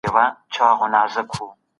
فساد د هلاکت سبب ګرځي.